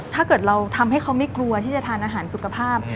ถ้าเกิดเราทำให้เขาไม่กลัวที่จะทานอาหารสุขภาพ